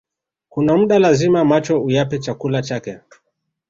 Kuna muda lazima macho uyape chakula chake